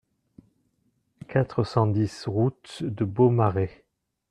quatre cent dix route de Beaumarais